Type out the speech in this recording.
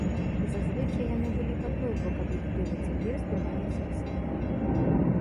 Зазвычай яны былі па той бок аб'ектыву, цяпер здымаюць іх саміх.